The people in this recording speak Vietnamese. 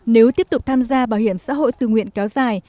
nếu tiếp tục tham gia bảo hiểm xã hội tự nguyện kéo dài